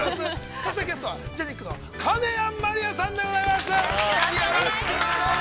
そしてゲストは、ＧＥＮＩＣの、金谷鞠杏さんでございます。